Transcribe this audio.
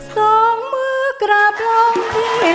สองมือกลับลองที่ตรงนั้น